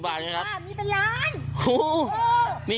บาทไงครับมีเป็นล้านฮูฮูมี